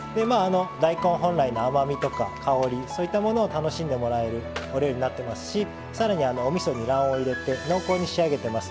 大根本来の甘みとか香りそういったものを楽しんでもらえるお料理になってますしさらにおみそに卵黄を入れて濃厚に仕上げてます。